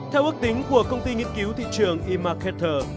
theo ước tính của công ty nghiên cứu thị trường e marketer